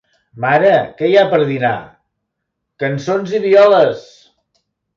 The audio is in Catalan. Mare, què hi ha per dinar? —Cançons i violes!